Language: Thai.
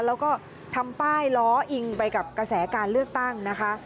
แล้วก็ทำป้ายล้ออิงไปกับกระแสการเลือกตั้งนะคะ